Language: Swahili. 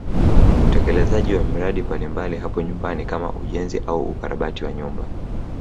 Utekelezaji wa miradi mbalimbali hapo nyumbani kama ujenzi au ukarabati wa nyumba